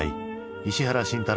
石原慎太郎